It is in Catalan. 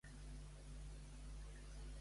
Què va passar amb l'Oracle de Claros?